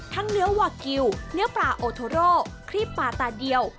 เนื้อวากิลเนื้อปลาโอโทโรครีบปลาตาเดียว